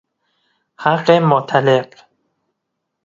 حق مطلق